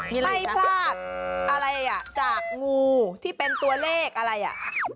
ไม่พลาดอะไรอ่ะจากงูที่เป็นตัวเลขอะไรอ่ะ